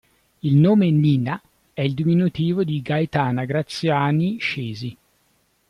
Il nome “Nina” è il diminutivo di Gaetana Graziani Scesi.